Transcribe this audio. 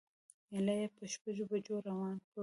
ایله یې په شپږو بجو روان کړو.